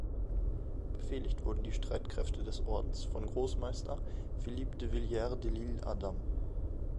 Befehligt wurden die Streitkräfte des Ordens von Großmeister Philippe de Villiers de l’Isle-Adam.